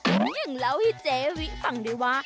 อื้อหืออย่างเล่าให้เจวิฟังด้วยวะ